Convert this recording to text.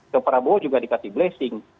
ke prabowo juga dikasih blessing